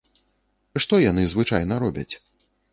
Што яны звычайна робяць?